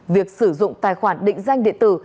việc sử dụng tài khoản định danh đệ tử